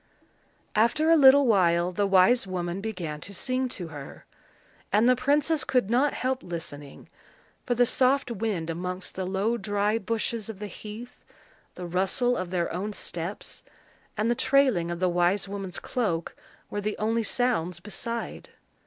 After a little while the wise woman began to sing to her, and the princess could not help listening; for the soft wind amongst the low dry bushes of the heath, the rustle of their own steps, and the trailing of the wise woman's cloak, were the only sounds beside.